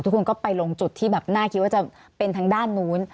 ทุกคนก็ไปลงจุดที่แบบน่าคิดว่าจะเป็นทางด้านนู้น